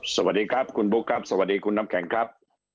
สวัสดีครับคุณบุ๊คครับสวัสดีคุณน้ำแข็งครับ